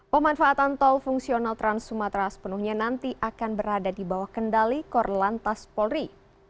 pemanfaatan tol fungsional trans sumatera sepenuhnya nanti akan berada di bawah kendali korlantas polri